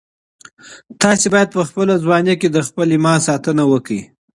تاسي باید په خپله ځواني کي د خپل ایمان ساتنه وکړئ.